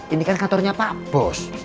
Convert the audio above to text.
ini kan kantornya pak bos